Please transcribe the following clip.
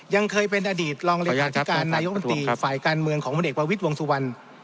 ยังเคยเป็นอดีตรองเลขาศิการนตศฝ่ายการเมืองของพลตรวจเอกวัววิทย์วงศ์สุวรรณ